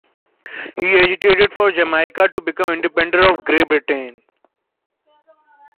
He agitated for Jamaica to become independent of Great Britain.